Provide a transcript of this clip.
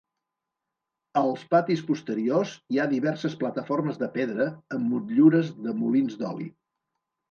Als patis posteriors hi ha diverses plataformes de pedra, amb motllures de molins d'oli.